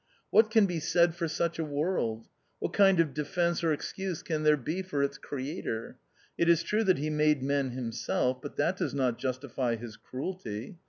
What can be said for such a world ? What kind of defence or excuse can there be for its Creator ? It is true that he made men himself, but that does not justify his cruelty.